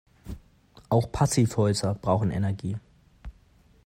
Auch Passivhäuser brauchen Energie.